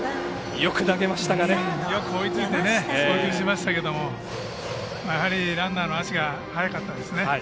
よく追いついて送球しましたけれどやはりランナーの足が速かったですね。